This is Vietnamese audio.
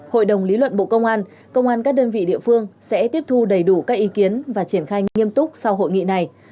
hội đồng lý luận bộ công an công an các đơn vị địa phương sẽ tiếp thu đầy đủ các ý kiến và triển khai nghiêm túc sau hội nghị này